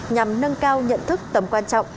nhằm nâng cao nhận thức tầm quan trọng